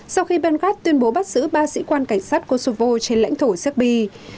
sau khi bàn gác tuyên bố bắt giữ ba sĩ quan cảnh sát kosovo trên lãnh thổ serbia